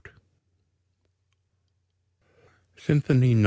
SYMPHONY No.